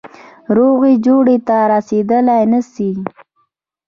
روغي جوړي ته رسېدلای نه سي.